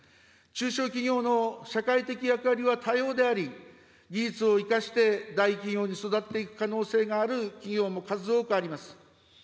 中小企業の社会的役割は多様であり、技術を生かして大企業に育っていく可能性がある企業も数多くあります。